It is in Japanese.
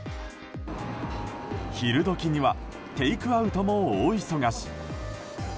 昼時にはテイクアウトも大忙し。